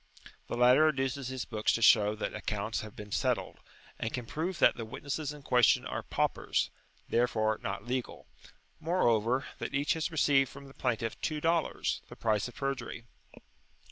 The latter adduces his books to show that accounts have been settled, and can prove that the witnesses in question are paupers, therefore, not legal; moreover, that each has received from the plaintiff two dollars, the price of perjury.